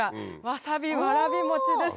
わさびわらび餅。